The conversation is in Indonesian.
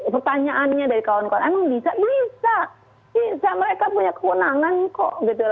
pertanyaannya dari kawan kawan emang bisa bisa bisa mereka punya kewenangan kok gitu